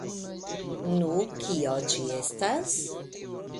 Nu, kio ĝi estas?